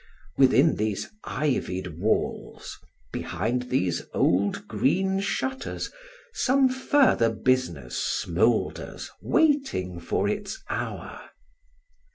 Within these ivied walls, behind these old green shutters, some further business smoulders, waiting for its hour.